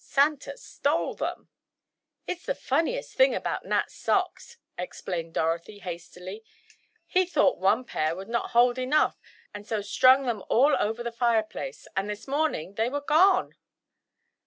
Santa stole them!" "It's the funniest thing about Nat's socks," explained Dorothy, hastily, "he thought one pair would not hold enough, and so strung them all over the fireplace, and this morning they were gone!"